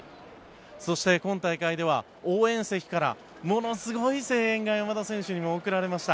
そして今大会では応援席からものすごい声援が山田選手にも送られました。